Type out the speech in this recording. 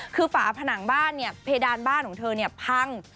คือฝาผนังบ้านเนี่ยเพดานบ้านของเธอเนี่ยพัง